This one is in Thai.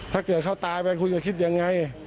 ถ้าเกิดเขาตายไปคุณจะคิดยังไง